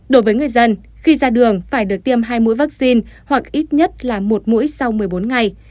đối với người dân khi ra đường phải được tiêm hai mũi vaccine hoặc ít nhất là một mũi sau một mươi bốn ngày